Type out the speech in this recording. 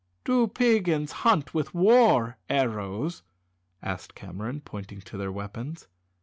"Do Peigans hunt with war arrows?" asked Cameron, pointing to their weapons.